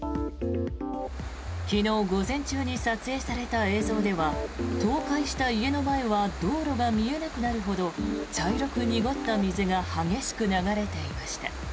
昨日午前中に撮影された映像では倒壊した家の前は道路が見えなくなるほど茶色く濁った水が激しく流れていました。